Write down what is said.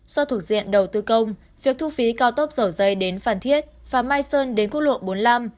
do thuộc diện đầu tư công việc thu phí cao tốc dầu dây đến phan thiết và mai sơn đến quốc lộ bốn mươi năm